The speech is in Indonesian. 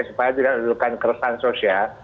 supaya tidak menimbulkan keresahan sosial